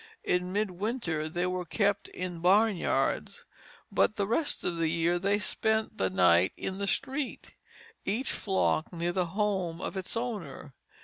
In midwinter they were kept in barnyards, but the rest of the year they spent the night in the street, each flock near the home of its owner.